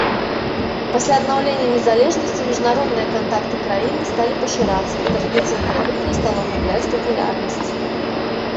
Пасля аднаўлення незалежнасці міжнародныя кантакты краіны сталі пашырацца, і традыцыйная кухня стала губляць папулярнасць.